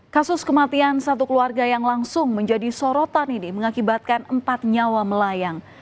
kasus kematian satu keluarga yang langsung menjadi sorotan ini mengakibatkan empat nyawa melayang